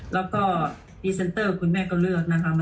แล้วก็พรีเซนเตอร์คุณแม่ก็เลือกนะคะ